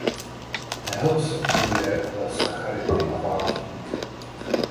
Neobsahuje ale sacharidy a vápník.